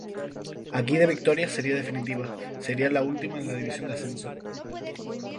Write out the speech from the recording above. Aquí de victorias sería definitiva, sería la última en la división de ascenso.